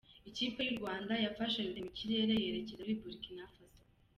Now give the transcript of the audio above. Ikipe yu Rwanda yafashe rutemikirere yerekeza muri Burkina Faso